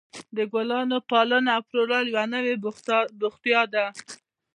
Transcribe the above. د ګلانو پالنه او پلورل یوه نوې بوختیا ده.